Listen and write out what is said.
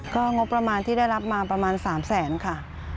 ก็งบประมาณที่ได้รับมาประมาณ๓แสนค่ะ